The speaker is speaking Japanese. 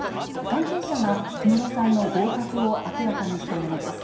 関係者が小室さんの合格を明らかにしたものです。